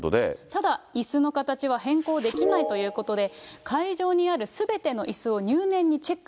ただ、いすの形は変更できないということで、会場にあるすべてのいすを入念にチェック。